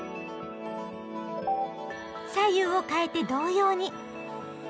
左右をかえて同様に。